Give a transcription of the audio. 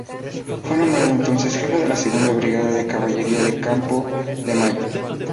Fue nombrado entonces Jefe de la Segunda Brigada de Caballería de Campo de Mayo.